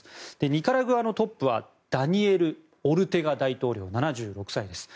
ニカラグアのトップはダニエル・オルテガ大統領７６歳です。